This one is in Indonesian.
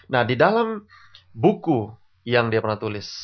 nah di dalam buku yang dia pernah tulis